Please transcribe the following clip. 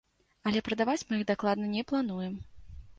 Але прадаваць мы іх дакладна не плануем.